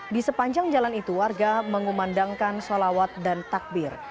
di sepanjang jalan itu warga mengumandangkan sholawat dan takbir